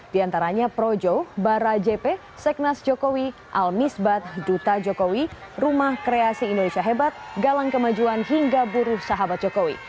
di antaranya projo barajep seknas jokowi al misbat duta jokowi rumah kreasi indonesia hebat galang kemajuan hingga buruh sahabat jokowi